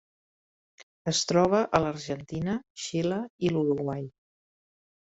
Es troba a l'Argentina, Xile i l'Uruguai.